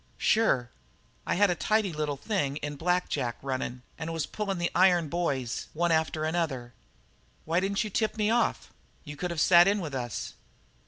"Sure. I had a tidy little thing in black jack running and was pulling in the iron boys, one after another. Why didn't you tip me off? You could have sat in with us."